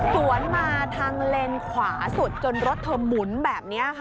สวนมาทางเลนขวาสุดจนรถเธอหมุนแบบนี้ค่ะ